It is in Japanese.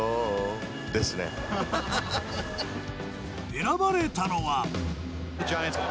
選ばれたのは。